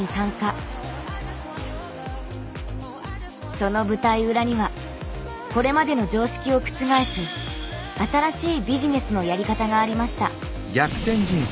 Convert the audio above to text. その舞台裏にはこれまでの常識を覆す新しいビジネスのやり方がありました。